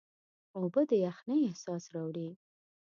اوبه د یخنۍ احساس راوړي.